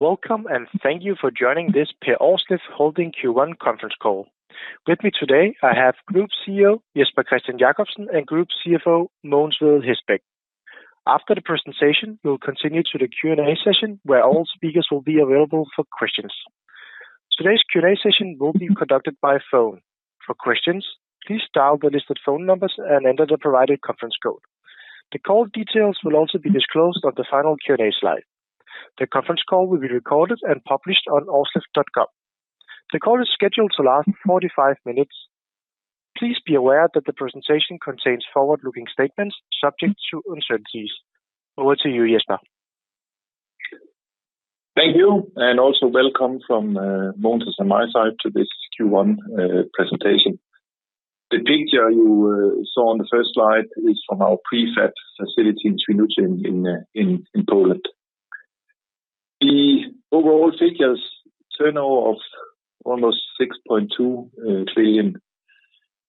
Welcome, thank you for joining this Per Aarsleff Holding Q1 conference call. With me today, I have Group CEO, Jesper Kristian Jacobsen, and Group CFO, Mogens Vedel Hvid. After the presentation, we'll continue to the Q&A session, where all speakers will be available for questions. Today's Q&A session will be conducted by phone. For questions, please dial the listed phone numbers and enter the provided conference code. The call details will also be disclosed on the final Q&A slide. The conference call will be recorded and published on aarsleff.com. The call is scheduled to last 45 minutes. Please be aware that the presentation contains forward-looking statements subject to uncertainties. Over to you, Jesper. Thank you, also welcome from Mogens and my side to this Q1 presentation. The picture you saw on the first slide is from our prefab facility in Świnoujście in Poland. The overall figures, turnover of almost 6.2 trillion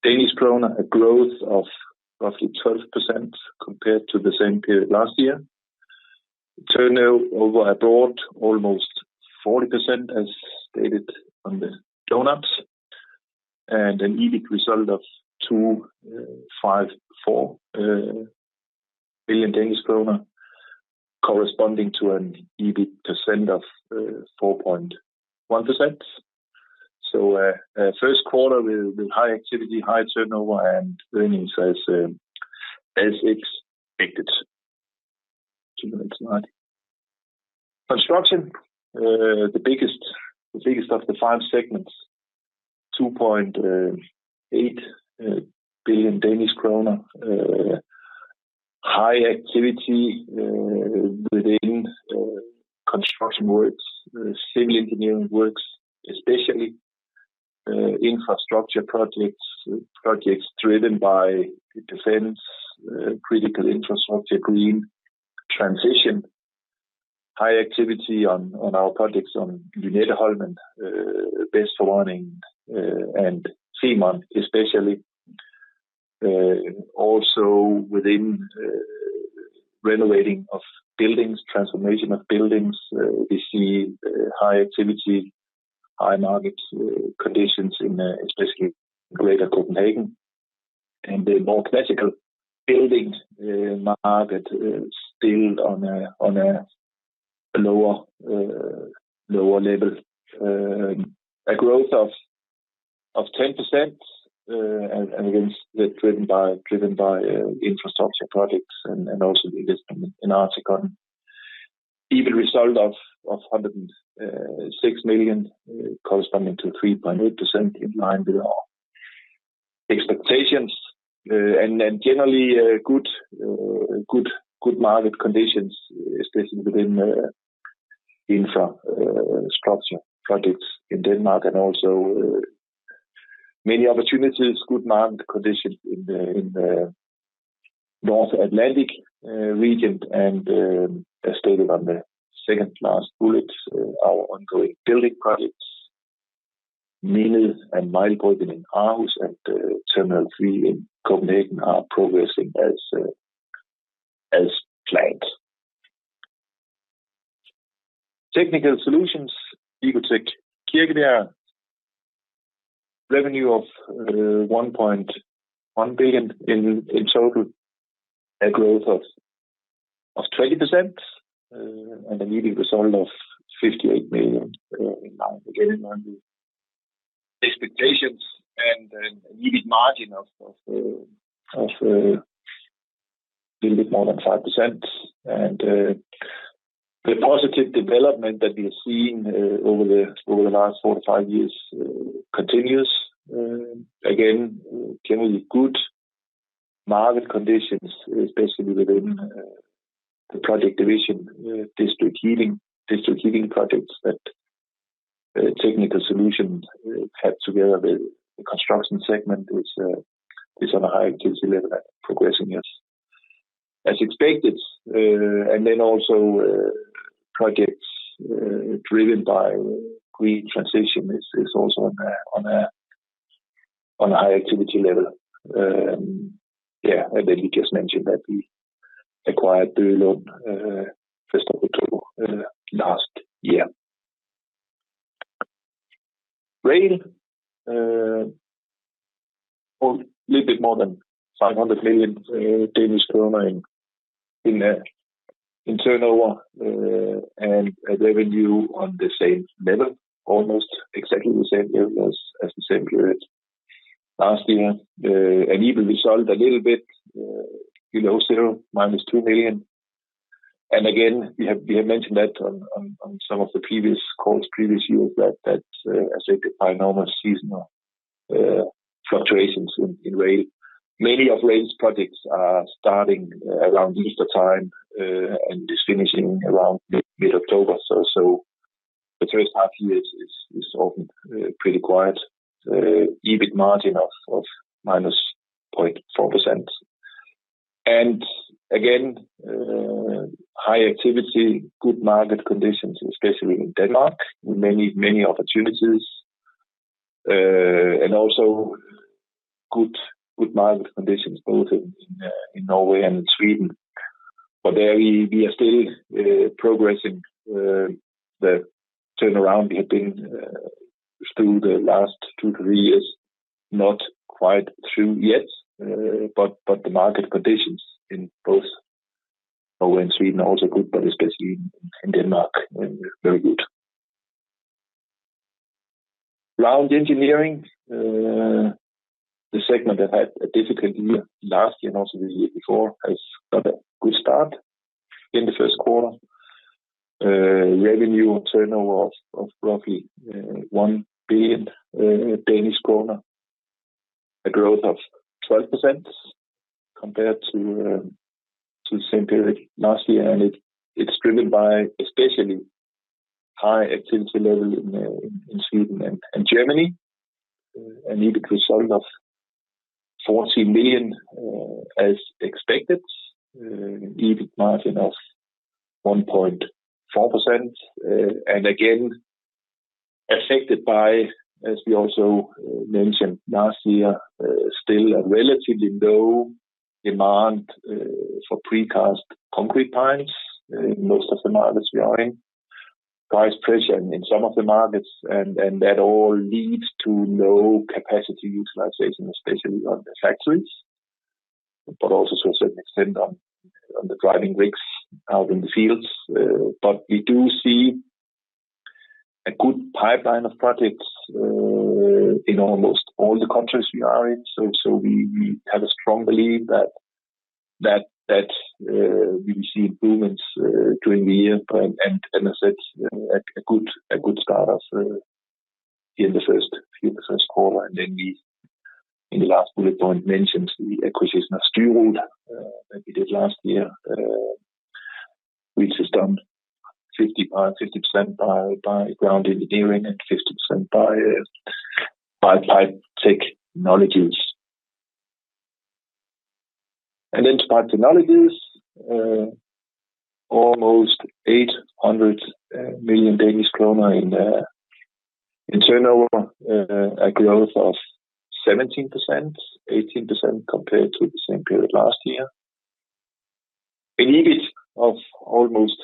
Danish kroner, a growth of roughly 12% compared to the same period last year. Turnover over abroad, almost 40%, as stated on the donuts, an EBIT result of 2.54 billion Danish kroner, corresponding to an EBIT percent of 4.1%. First quarter with high activity, high turnover, and earnings as expected. To the next slide. Construction, the biggest of the five segments, DKK 2.8 billion. High activity within construction works, civil engineering works, especially infrastructure projects. Projects driven by defense, critical infrastructure, green transition. High activity on our projects on Lynetteholmen, Vesthavnen, and Simont especially. Also within renovating of buildings, transformation of buildings, we see high activity, high market conditions in especially greater Copenhagen, and the more classical building market still on a lower level. A growth of 10%, again driven by infrastructure projects and also the investment in Articon. EBIT result of 106 million, corresponding to 3.8% in line with our expectations. Generally good market conditions, especially within infrastructure projects in Denmark, also many opportunities, good market conditions in the North Atlantic region. As stated on the second last bullet, our ongoing building projects, Mindet and Mejlbryggen in Aarhus, and Terminal three in Copenhagen, are progressing as planned. Technical Solutions, Ecotec, Wicotec Kirkebjerg, revenue of 1.1 billion total, a growth of 20%, and an EBIT result of 58 million in line with expectations and an EBIT margin of a little bit more than 5%. The positive development that we have seen over the last four-five years continues. Again, generally good market conditions, especially within the project division, district heating, district heating projects that Technical Solutions had together with the Construction segment, which is on a high activity level and progressing as expected. Then also projects driven by green transition is also on a high activity level. Then he just mentioned that we acquired Bøgelund, first of October last year. Rail, a little bit more than 500 million Danish kroner in turnover, and a revenue on the same level, almost exactly the same level as the same period last year. EBIT result a little bit below zero, -2 million. Again, we have mentioned that on some of the previous calls, previous years, that, as I said, by normal seasonal fluctuations in Rail. Many of Rail's projects are starting around Easter time and just finishing around mid-October. The first half year is often pretty quiet. EBIT margin of -0.4%. Again, high activity, good market conditions, especially in Denmark, with many opportunities. Also good market conditions, both in Norway and in Sweden. There we are still progressing the turnaround we have been through the last two-three years, not quite through yet, but the market conditions in both Norway and Sweden are also good, but especially in Denmark, very good. Ground Engineering, the segment that had a difficult year last year and also the year before, has got a good start in the first quarter. Revenue turnover of roughly 1 billion Danish kroner, a growth of 12% compared to the same period last year. It's driven by especially high activity level in Sweden and Germany, and EBIT result of 14 million, as expected, EBIT margin of 1.4%. Again, affected by, as we also mentioned last year, still a relatively low demand for precast concrete pipes in most of the markets we are in. Price pressure in some of the markets, and that all leads to low capacity utilization, especially on the factories, but also to a certain extent on the driving rigs out in the fields. We do see a good pipeline of projects in almost all the countries we are in. We have a strong belief that we will see improvements during the year and as I said, a good start of, in the first quarter. We in the last bullet point mentions the acquisition of Steelwood that we did last year, which is done 50% by Ground Engineering and 50% by Pipe Technologies. Pipe Technologies, almost DKK 800 million in turnover, a growth of 17%-18% compared to the same period last year. An EBIT of almost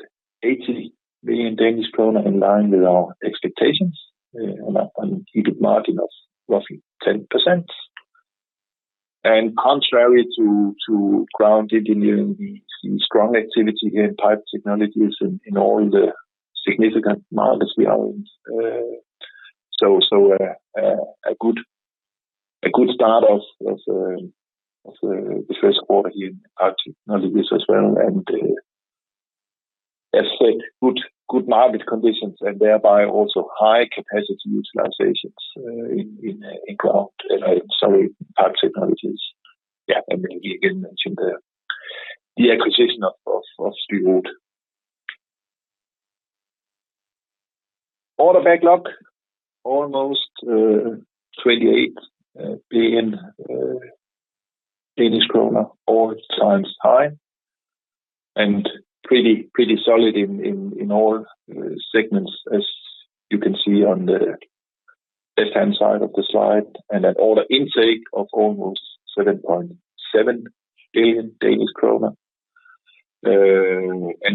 80 billion Danish kroner, in line with our expectations, and an EBIT margin of roughly 10%. Contrary to Ground Engineering, we've seen strong activity in Pipe Technologies in all the significant markets we are in. Uh, so, so, uh, uh, a good, a good start of, of, uh, of, uh, the first quarter here in Pipe Technologies as well, and, uh, as said, good, good market conditions and thereby also high capacity utilizations, uh, in, in, in, uh, sorry, Pipe Technologies. Yeah, and then we again mention the, the acquisition of, of, of Steelwood. Order backlog, almost, uh, DKK 28 billion, all-times high, and pretty, pretty solid in, in, in all, uh, segments, as you can see on the left-hand side of the slide, and an order intake of almost 7.7 billion Danish kroner.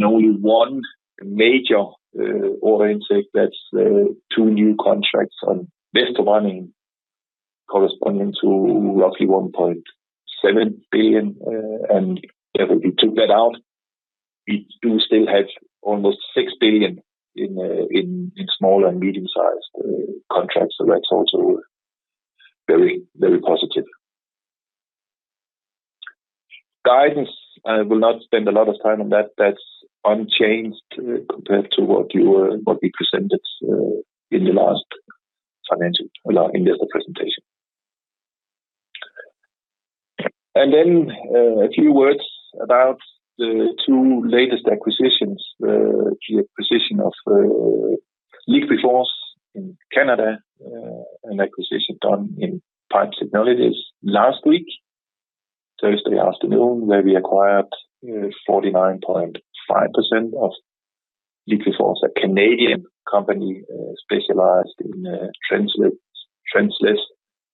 Uh, and only one major, uh, order intake, that's, uh, two new contracts on Vesthavnen, corresponding to roughly 1.7 billion, uh, and if we took that out, we do still have almost 6 billion in, uh, in, in small and medium-sized, uh, contracts. That's also very, very positive. Guidance. I will not spend a lot of time on that. That's unchanged compared to what we presented in the last financial in this presentation. A few words about the two latest acquisitions, the acquisition of LiquiForce in Canada, an acquisition done in Pipe Technologies last week, Thursday afternoon, where we acquired 49.5% of LiquiForce, a Canadian company, specialized in trenchless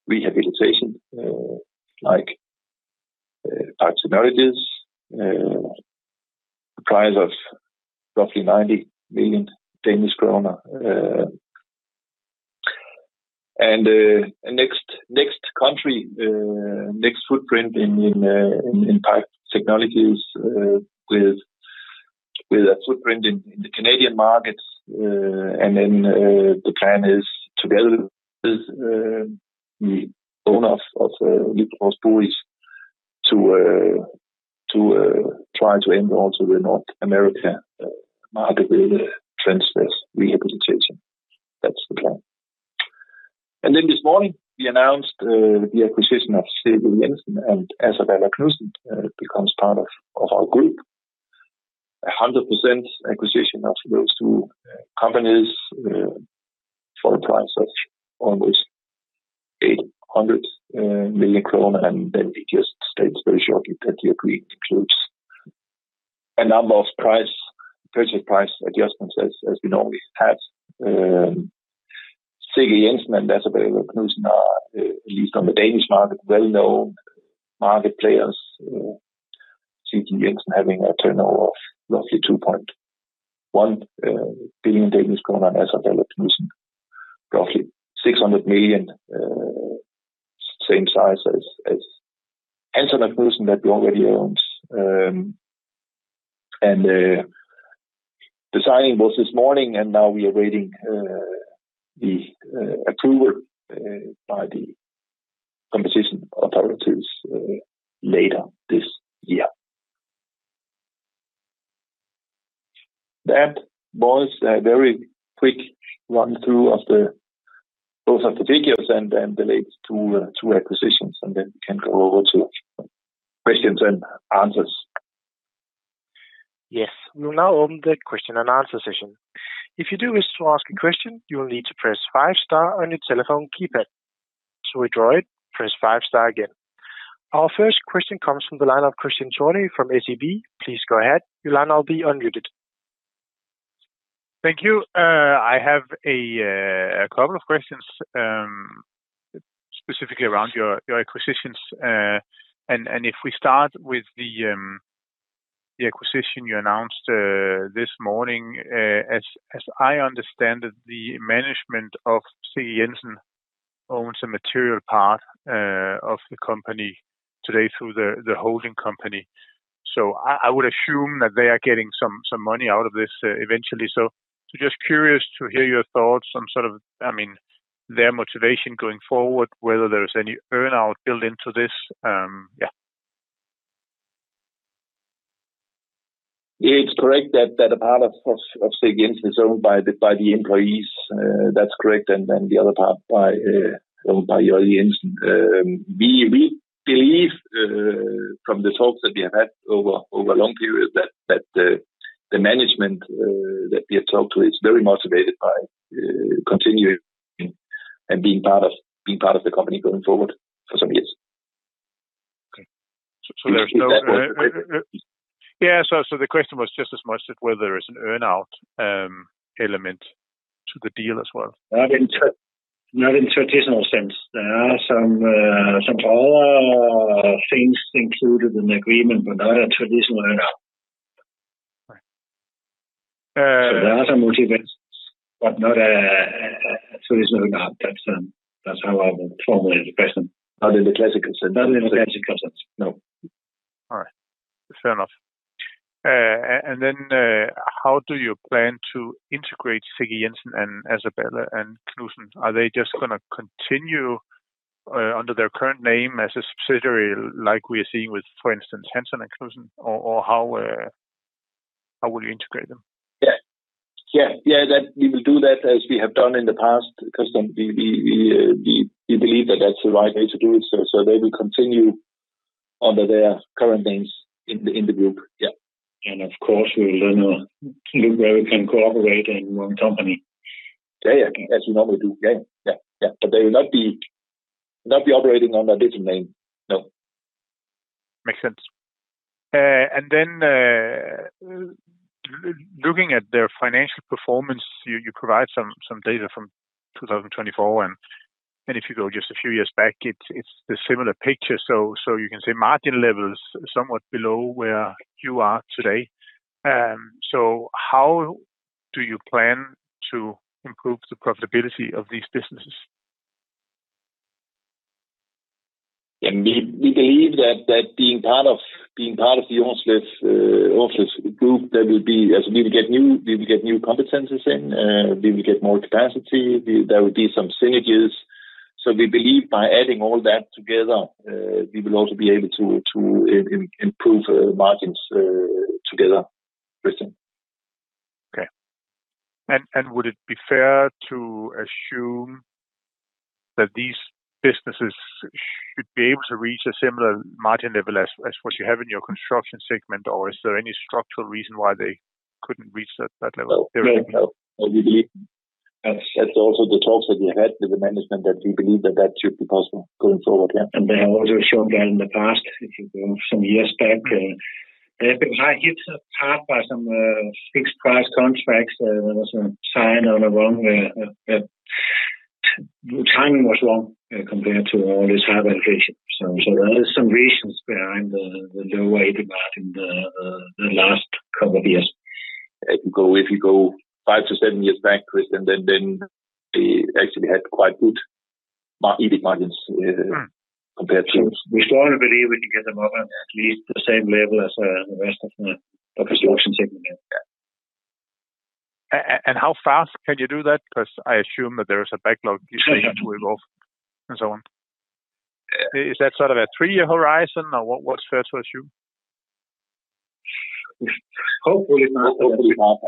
rehabilitation, like Pipe Technologies, a price of roughly 90 million Danish kroner. Next country, next footprint in Pipe Technologies, with a footprint in the Canadian markets. The plan is together with the owner of LiquiForce to try to enter also the North America market with trenchless rehabilitation. That's the plan. This morning, we announced the acquisition of CG Jensen, and as well as Knudsen, becomes part of our group. 100% acquisition of those two companies for a price of almost 800 million krone. It just states very shortly that the agreement includes a number of price, purchase price adjustments as we normally have. CG Jensen and Adserballe & Knudsen are, at least on the Danish market, well-known market players. CG Jensen having a turnover of roughly 2.1 billion Danish kroner, and Isabella Knudsen, roughly 600 million, same size as Hansen & Knudsen that we already owns. The signing was this morning, and now we are waiting the approval by the competition authorities later this year. That was a very quick run through of the, both of the figures and then the latest two acquisitions, and then we can go over to questions and answers. Yes. We'll now open the question and answer session. If you do wish to ask a question, you will need to press five star on your telephone keypad. To withdraw it, press five star again. Our first question comes from the line of Christian Thorning from SEB. Please go ahead. Your line will be unmuted. Thank you. I have a couple of questions specifically around your acquisitions. If we start with the acquisition you announced this morning. As I understand it, the management of CG Jensen owns a material part of the company today through the holding company. I would assume that they are getting some money out of this eventually. Just curious to hear your thoughts. I mean, their motivation going forward, whether there is any earn-out built into this. It's correct that a part of CG Jensen is owned by the employees. That's correct, and then the other part owned by Jørgen Jensen. We believe from the talks that we have had over a long period, that the management that we have talked to is very motivated by continuing and being part of the company going forward for some years. Okay. Yeah. The question was just as much that whether there is an earn-out element to the deal as well? Not in traditional sense. There are some other things included in the agreement, but not a traditional earn-out. Right. There are some motivations, but not a traditional earn-out. That's how I would formulate the question. Not in the classical sense. Not in the classical sense, no. All right. Fair enough. Then, how do you plan to integrate CG Jensen and Adserballe & Knudsen? Are they just gonna continue, under their current name as a subsidiary, like we are seeing with, for instance, Hansen & Knudsen or how will you integrate them? Yeah. Yeah, yeah, that we will do that as we have done in the past, because then we believe that that's the right way to do it. They will continue under their current names in the group. Yeah. Of course we will then, look where we can cooperate in one company. Yeah, yeah, as we normally do. Yeah, yeah. They will not be operating under a different name, no. Makes sense. Looking at their financial performance, you provide some data from 2024, and if you go just a few years back, it's the similar picture. You can say margin levels somewhat below where you are today. How do you plan to improve the profitability of these businesses? Yeah, we believe that being part of the Aarsleff group, as we will get new competencies in, we will get more capacity, there will be some synergies. We believe by adding all that together, we will also be able to improve margins together, Christian. Okay. Would it be fair to assume that these businesses should be able to reach a similar margin level as what you have in your Construction segment? Or is there any structural reason why they couldn't reach that level? No, no. We believe, and that's also the talks that we had with the management, that we believe that that should be possible going forward, yeah. They have also shown that in the past, if you go some years back, they have been hit hard by some fixed price contracts. There was a sign on the wrong, the timing was wrong, compared to all this high valuation. There are some reasons behind the low EBIT margin the last couple of years. If you go five to seven years back, Christian, then they actually had quite good EBIT margins compared to. We strongly believe we can get them up at least the same level as the rest of the Construction segment. Yeah. How fast can you do that? Because I assume that there is a backlog you still have to evolve and so on. Is that sort of a three-year horizon, or what's fair to assume? Hopefully not. Hopefully not.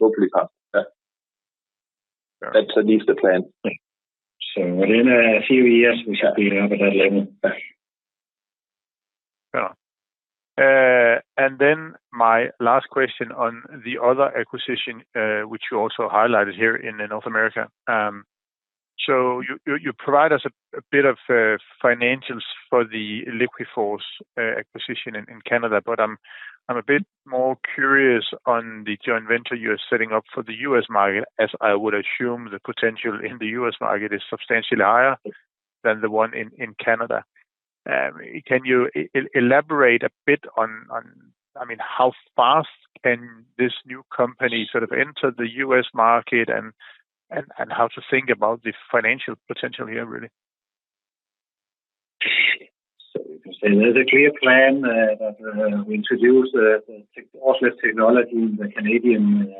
Hopefully not. Yeah. That's at least the plan. Within a few years, we should be up at that level. Yeah. My last question on the other acquisition, which you also highlighted here in North America. You provide us a bit of financials for the LiquiForce acquisition in Canada. I'm a bit more curious on the joint venture you are setting up for the U.S. market, as I would assume the potential in the U.S. market is substantially higher than the one in Canada. Can you elaborate a bit on, I mean, how fast can this new company sort of enter the U.S. market and how to think about the financial potential here, really? You can say there's a clear plan that we introduce the off technology in the Canadian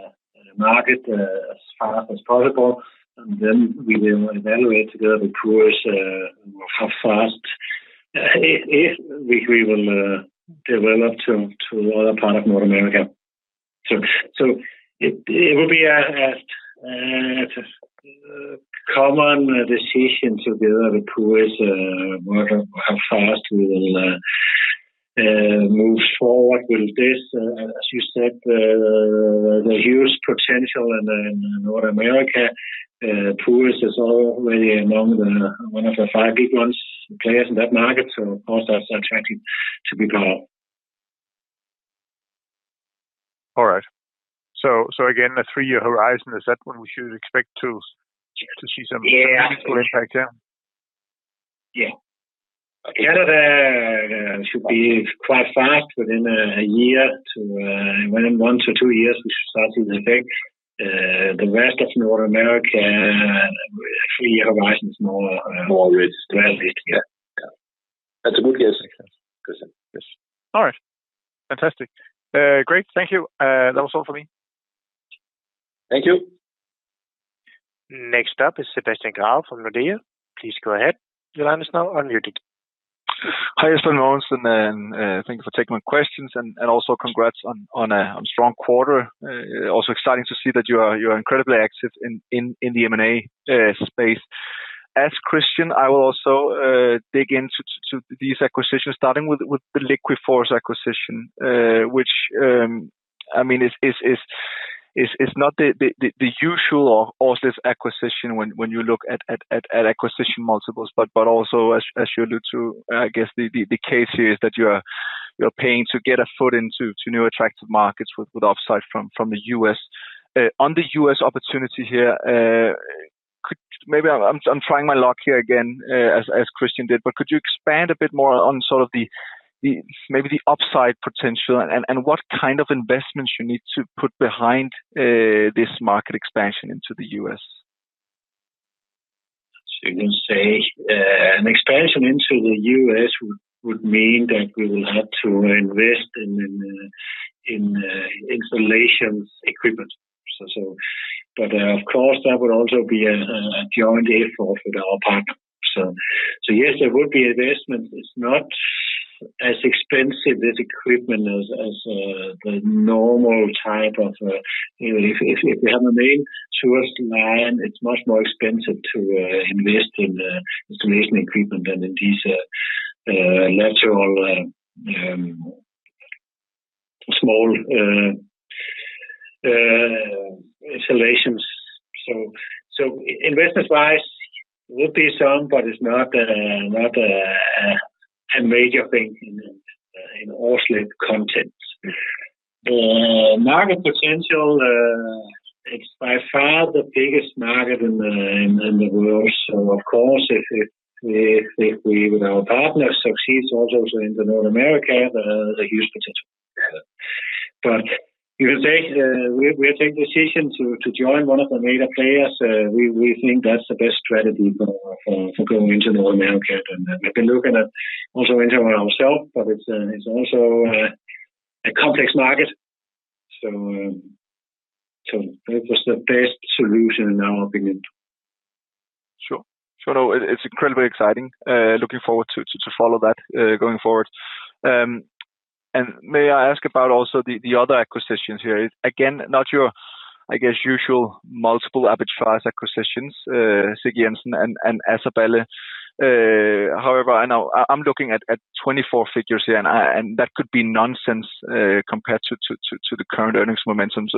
market as fast as possible, and then we will evaluate together with PURIS how fast if we will develop to other part of North America. It will be a common decision together with PURIS what how fast we will move forward with this. As you said, the huge potential in North America, PURIS is already among the one of the five big ones players in that market. Of course, that's attractive to become. All right. Again, a three-year horizon, is that when we should expect to see? Yeah. Some impact there? Yeah. Canada should be quite fast within a year to within one-two years, we should start to see the effect. The rest of North America, three-year horizon is more realistic. Yeah. Yeah. That's a good guess, Christian. Yes. All right. Fantastic. Great, thank you. That was all for me. Thank you. Next up is Sebastian Grave from Rodeo. Please go ahead. Your line is now unmuted. Hi, Jesper Lauridsen, thank you for taking my questions and also congrats on a strong quarter. Also exciting to see that you're incredibly active in the M&A space. As Christian, I will also dig into these acquisitions, starting with the LiquiForce acquisition, which, I mean, is not the usual Aarsleff acquisition when you look at acquisition multiples, but also as you allude to, I guess the case here is that you are paying to get a foot into new attractive markets with off-site from the U.S. On the U.S. opportunity here, maybe I'm trying my luck here again, as Christian did, but could you expand a bit more on sort of the maybe the upside potential and what kind of investments you need to put behind this market expansion into the U.S.? You can say an expansion into the U.S. would mean that we will have to invest in installation equipment. But of course, that would also be a joint effort with our partner. Yes, there would be investment. It's not as expensive as equipment as the normal type of. If you have a main sewers line, it's much more expensive to invest in installation equipment than in these natural small installations. Investment-wise, would be some, but it's not a major thing in off slip content. Market potential, it's by far the biggest market in the world. Of course, if we, with our partners, succeeds also in the North America, the huge potential. You can say, we take decision to join one of the major players. We think that's the best strategy for going into North America. We've been looking at also entering ourselves, but it's also a complex market. It was the best solution in our opinion. Sure. It's incredibly exciting looking forward to follow that going forward. May I ask about also the other acquisitions here? Again, not your, I guess, usual multiple average size acquisitions, C.G. Jensen and Isabella. However, I know I'm looking at 2024 figures here. And that could be nonsense compared to the current earnings momentum.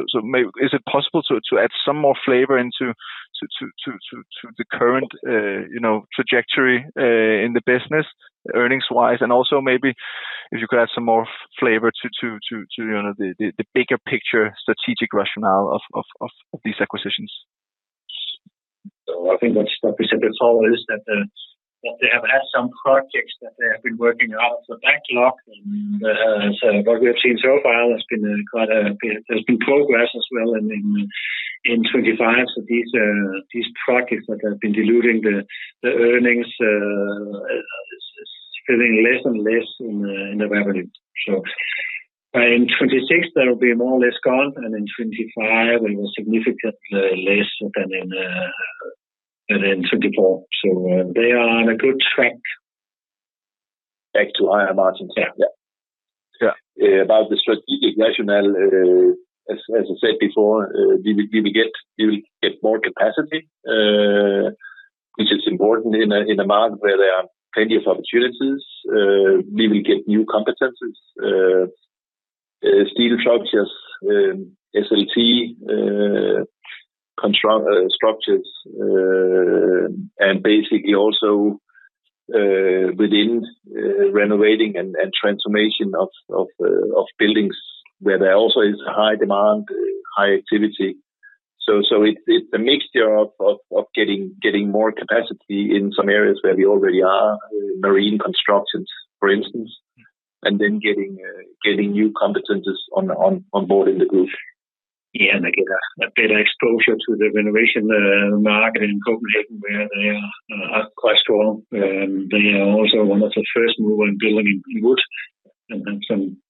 Is it possible to add some more flavor into the current, you know, trajectory in the business, earnings-wise? Also maybe if you could add some more flavor to, you know, the bigger picture strategic rationale of these acquisitions. I think what's represented forward is that they have had some projects that they have been working out. Backlog and, what we have seen so far has been quite a bit, there's been progress as well in 2025. These projects that have been diluting the earnings, is feeling less and less in the revenue. By in 2026, there will be more or less gone, and in 2025, it was significantly less than in 2024. They are on a good track back to higher margins. Yeah. Yeah. About the strategic rationale, as I said before, we will get more capacity, which is important in a market where there are plenty of opportunities. We will get new competencies.... steel structures, SLT, construct, structures, and basically also within renovating and transformation of buildings where there also is a high demand, high activity. It's a mixture of getting more capacity in some areas where we already are, marine constructions, for instance, and then getting new competencies on board in the group. They get a better exposure to the renovation market in Copenhagen, where they are quite strong. They are also one of the first mover in building in wood and some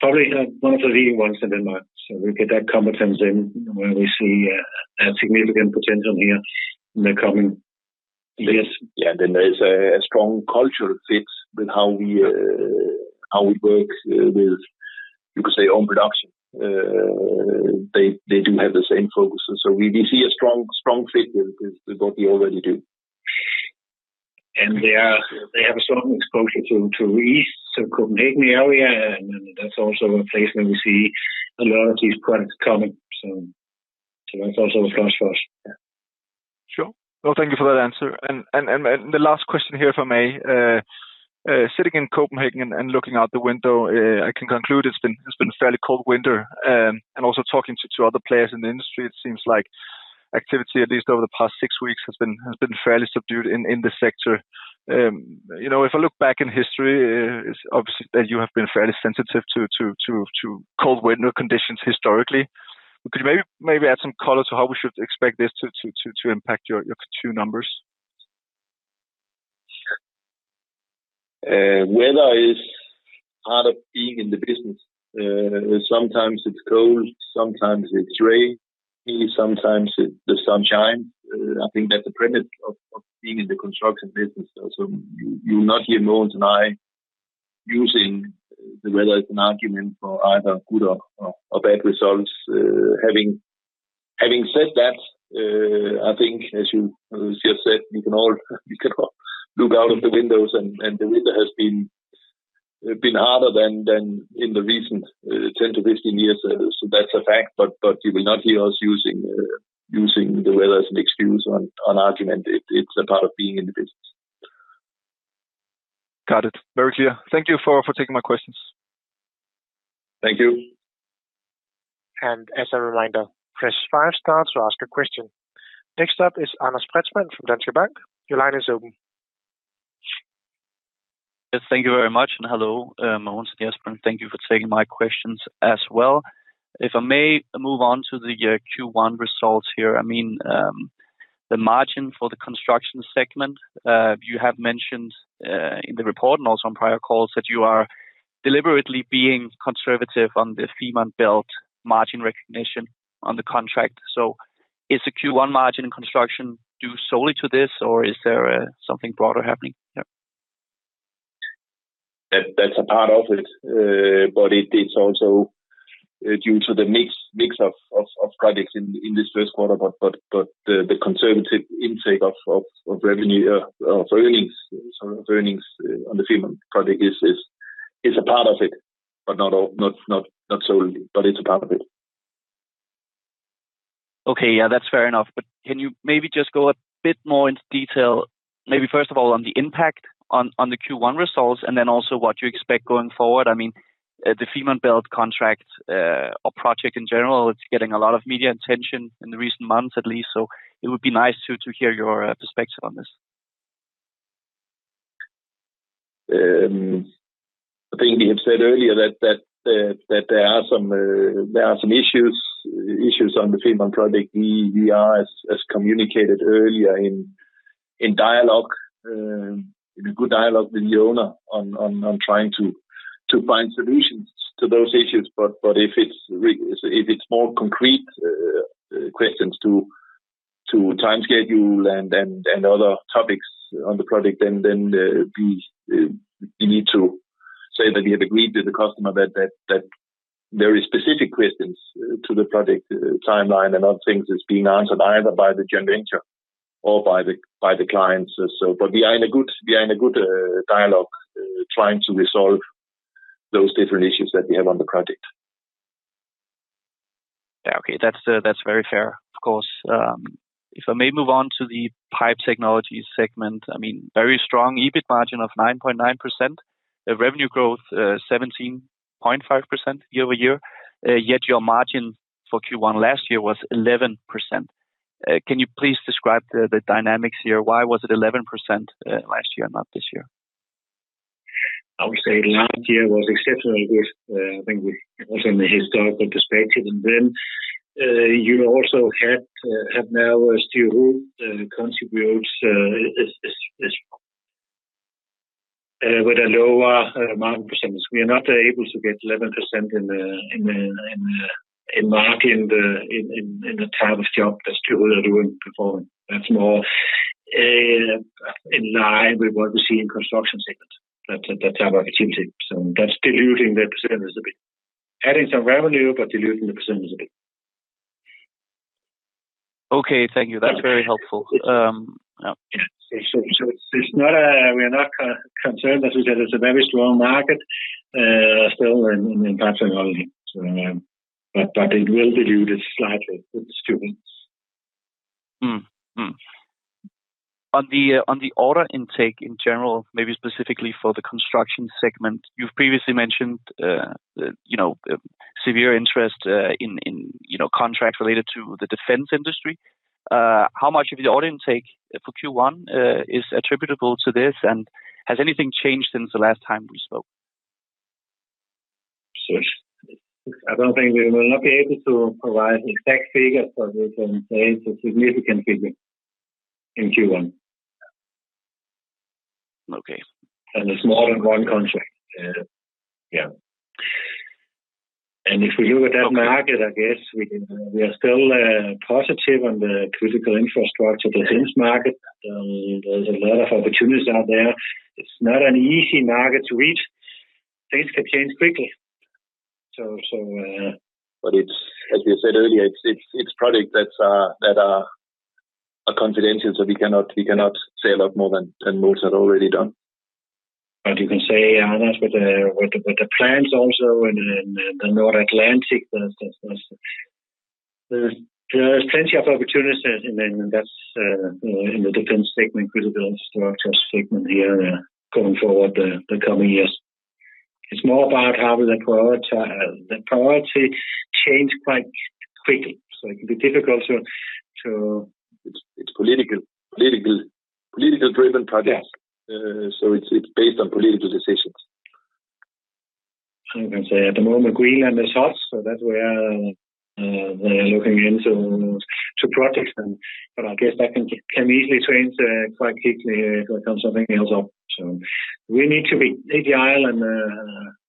probably, one of the leading ones in Denmark. We get that competence in where we see a significant potential here in the coming years. Then there is a strong cultural fit with how we work with, you could say, own production. They do have the same focus. We see a strong fit with what we already do. They have a strong exposure to east, so Copenhagen area, and that's also a place where we see a lot of these products coming. That's also a plus for us. Yeah. Sure. Well, thank you for that answer. The last question here, if I may, sitting in Copenhagen and looking out the window, I can conclude it's been a fairly cold winter. Also talking to other players in the industry, it seems like activity, at least over the past six weeks, has been fairly subdued in the sector. You know, if I look back in history, it's obviously that you have been fairly sensitive to cold winter conditions historically. Could you maybe add some color to how we should expect this to impact your Q2 numbers? Weather is part of being in the business. Sometimes it's cold, sometimes it's rain, sometimes it's the sunshine. I think that's the premise of being in the construction business. You will not hear Mogens and I using the weather as an argument for either good or bad results. Having said that, I think as you just said, we can all look out of the windows and the weather has been harder than in the recent 10-15 years. That's a fact. You will not hear us using the weather as an excuse on argument. It's a part of being in the business. Got it. Very clear. Thank you for taking my questions. Thank you. As a reminder, press five star to ask a question. Next up is Anders Pretzmann from Danske Bank. Your line is open. Thank you very much, and hello, Mogens and Jesper. Thank you for taking my questions as well. If I may move on to the Q1 results here, I mean, the margin for the Construction segment. You have mentioned in the report and also on prior calls, that you are deliberately being conservative on the Fehmarn Belt margin recognition on the contract. Is the Q1 margin in Construction due solely to this, or is there something broader happening? Yeah. That's a part of it. It is also due to the mix of products in this first quarter. The conservative intake of revenue, of earnings, so earnings on the Fehmarn project is a part of it, but not all, not solely, but it's a part of it. Okay, yeah, that's fair enough. Can you maybe just go a bit more into detail, maybe first of all, on the impact on the Q1 results and then also what you expect going forward? I mean, the Fehmarn Belt contract, or project in general, it's getting a lot of media attention in the recent months at least. It would be nice to hear your perspective on this. I think we have said earlier that there are some issues on the Fehmarn project. We are, as communicated earlier in dialogue, in a good dialogue with the owner on trying to find solutions to those issues. If it's more concrete questions to time schedule and other topics on the project, then we need to say that we have agreed with the customer that very specific questions to the project timeline and other things is being answered either by the joint venture or by the clients. We are in a good dialogue trying to resolve those different issues that we have on the project. Yeah. Okay. That's very fair, of course. If I may move on to the Pipe Technologies segment, I mean, very strong EBIT margin of 9.9%. The revenue growth, 17.5% year-over-year, yet your margin for Q1 last year was 11%. Can you please describe the dynamics here? Why was it 11% last year, not this year? I would say last year was exceptionally good. I think also in the historical perspective, and then you also have now Stiho contributes as with a lower margin percentage. We are not able to get 11% in the market, in the type of job that Stiho are doing before. That's more in line with what we see in Construction segment. That's that type of activity. That's diluting the percentage a bit, adding some revenue, but diluting the percentage a bit. Okay, thank you. That's very helpful. Yeah. It's not, we are not concerned, as we said, it's a very strong market, still in technology. So, but it will dilute it slightly with the students. On the order intake in general, maybe specifically for the Construction segment, you've previously mentioned, you know, severe interest, in, you know, contracts related to the defense industry. How much of the order intake for Q1 is attributable to this, and has anything changed since the last time we spoke? I don't think we will not be able to provide exact figures, but we can say it's a significant figure in Q1. Okay. It's more than one contract. If we look at that market, I guess we are still positive on the critical infrastructure, the defense market. There's a lot of opportunities out there. It's not an easy market to reach. Things can change quickly. So... It's, as we said earlier, it's product that are confidential, so we cannot say a lot more than most have already done. You can say, Anders, with the plans also in the North Atlantic, there's plenty of opportunities. That's in the defense segment, critical infrastructure segment here, going forward, the coming years. It's more about how the priority change quite quickly, so it can be difficult to. It's political driven projects. Yeah. It's based on political decisions. I can say at the moment, Greenland is hot, so that we are looking into two projects. I guess that can easily change, quite quickly, if something else up. We need to be agile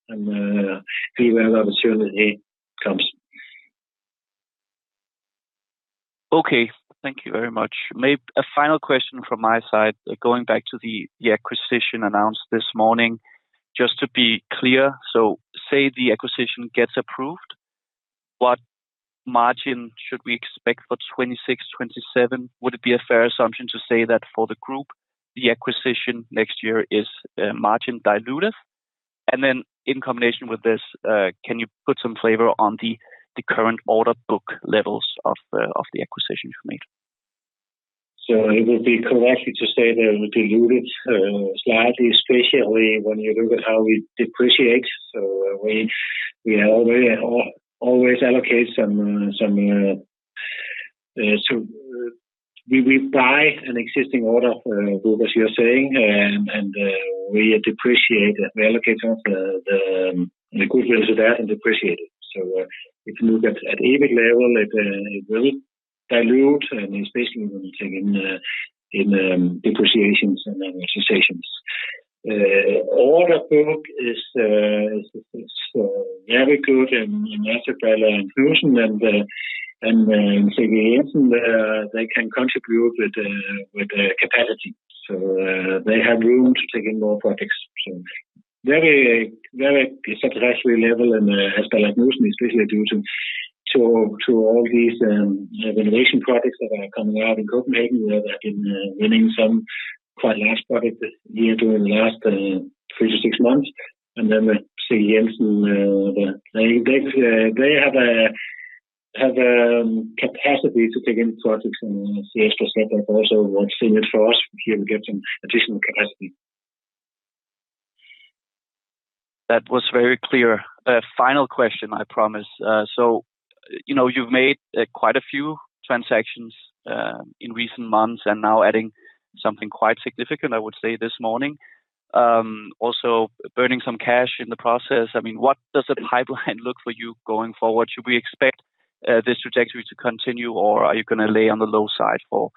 and be where the opportunity comes. Okay. Thank you very much. Maybe a final question from my side, going back to the acquisition announced this morning. Just to be clear, say the acquisition gets approved, what margin should we expect for 2026, 2027? Would it be a fair assumption to say that for the group, the acquisition next year is margin dilutive? Then in combination with this, can you put some flavor on the current order book levels of the, of the acquisition you made? it would be correct to say that it will dilute it slightly, especially when you look at how we depreciate. We already always allocate some, so we buy an existing order group, as you're saying, and we depreciate, we allocate the good results of that and depreciate it. If you look at EBIT level, it will dilute, and especially when you take in depreciations and amortizations. Order book is very good in Adserballe & Knudsen, and in CG Jensen, they can contribute with the capacity. They have room to take in more projects. very, very satisfactory level, Adserballe & Knudsen, especially due to all these renovation projects that are coming out in Copenhagen, where they've been winning some quite large projects here during the last three to six months. With CG Jensen, they have a capacity to take in projects and see extra step, but also what's in it for us, here we get some additional capacity. That was very clear. Final question, I promise. You know, you've made quite a few transactions, in recent months, and now adding something quite significant, I would say this morning, also burning some cash in the process. I mean, what does the pipeline look for you going forward? Should we expect this trajectory to continue, or are you going to lay on the low side for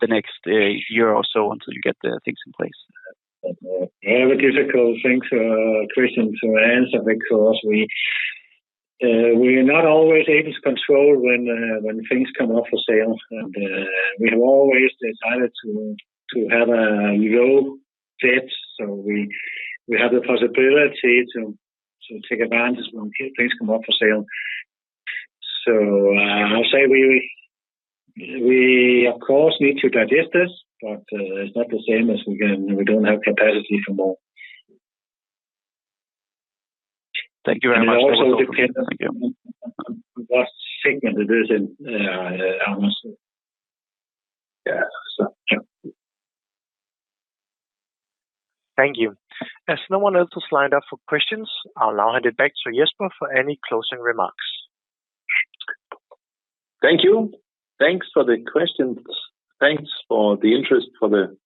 the next year or so until you get the things in place? Very difficult things, Christian, to answer, because we are not always able to control when things come up for sale. We have always decided to have a low debt, so we have the possibility to take advantage when things come up for sale. I'll say we of course, need to digest this, but it's not the same as we don't have capacity for more. Thank you very much. It also depends. Thank you. What segment it is in, Anders. Yeah, so yeah. Thank you. As no one else is lined up for questions, I'll now hand it back to Jesper for any closing remarks. Thank you. Thanks for the questions. Thanks for the interest.